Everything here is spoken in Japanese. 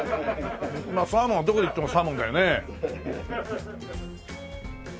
まあサーモンはどこに行ってもサーモンだよね。